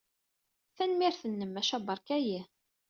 Tanemmirt-nnem, maca beṛka-iyi.